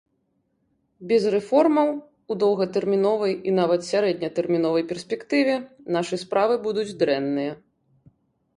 Без рэформаў у доўгатэрміновай і нават сярэднетэрміновай перспектыве нашы справы будуць дрэнныя.